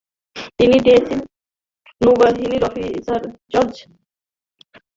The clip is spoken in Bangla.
তিনি ডেনিশ নৌবাহিনীর অফিসার জর্জ জ্যাকবসনের কন্যা ভাস্কর লিলি জ্যাকবসনকে বিবাহ করেন।